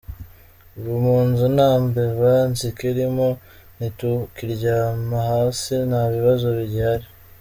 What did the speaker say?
Ubu mu nzu nta mbeba zikirimo, ntitukiryama hasi, nta bibazo bigihari.